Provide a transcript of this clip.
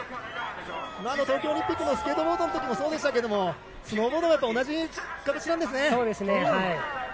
東京オリンピックのスケートボードもそうでしたがどこも同じ形なんですね。